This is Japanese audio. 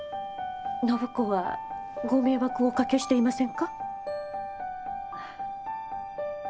暢子はご迷惑をおかけしていませんか？